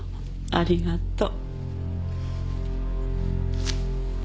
ありがとう。